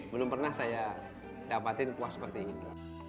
belum pernah saya dapetin kuah seperti itu